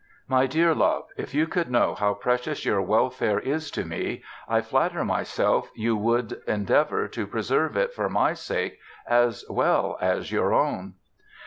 My dear love if you could know how precious your welfare is to me, I flatter myself you wou'd endeavor to preserve it, for my sake as well as your own."